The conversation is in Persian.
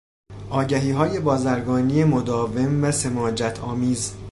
آگهیهای بازرگانی مداوم و سماجتآمیز